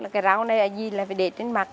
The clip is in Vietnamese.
cái rau này ở dưới là phải để trên mặt